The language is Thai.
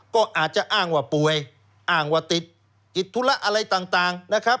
ก็อาจจะอ้างว่าป่วยอ้างว่าติดกิจธุระอะไรต่างนะครับ